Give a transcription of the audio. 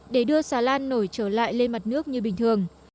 để đưa xà lan nổi trở lại lên mặt nước như bình thường